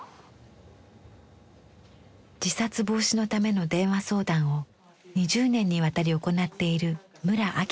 自殺防止のための電話相談を２０年にわたり行っている村明子さん。